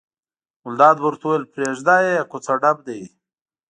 ګلداد به ورته ویل پرېږده یې کوڅه ډب دي.